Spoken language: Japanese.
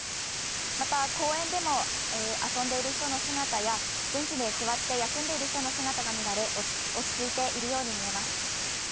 また、公園でも遊んでいる人の姿や、ベンチに座って休んでいる人の姿が見られ、落ち着いているように見えます。